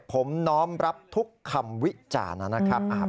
ผมน้อมรับทุกคำวิจารณ์นะครับ